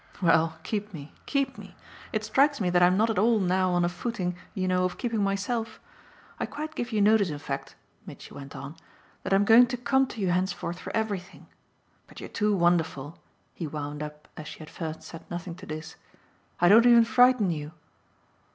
"Well keep me, keep me! It strikes me that I'm not at all now on a footing, you know, of keeping myself. I quite give you notice in fact," Mitchy went on, "that I'm going to come to you henceforth for everything. But you're too wonderful," he wound up as she at first said nothing to this. "I don't even frighten you."